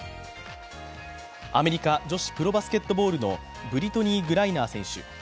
アメリカ、女子プロバスケットボールのブリトニー・グライナー選手。